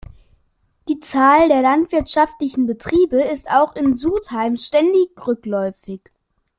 Die Zahl der landwirtschaftlichen Betriebe ist auch in Sudheim ständig rückläufig.